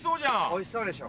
おいしそうでしょ？